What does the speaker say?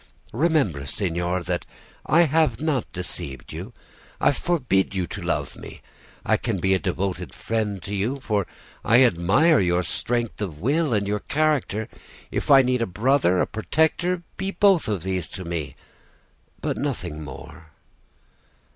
Remember, signor, that I have not deceived you. I forbid you to love me. I can be a devoted friend to you, for I admire your strength of will and your character. I need a brother, a protector. Be both of these to me, but nothing more.